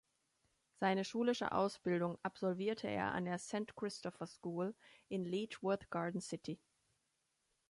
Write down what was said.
Seine schulische Ausbildung absolvierte er an der St Christopher School in Letchworth Garden City.